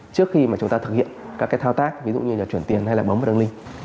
trước khi mà chúng ta thực hiện các cái thao tác ví dụ như là chuyển tiền hay là bấm vào đường link